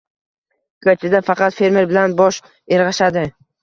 Ko‘chada faqat fermer bilan bosh irg’ashadi.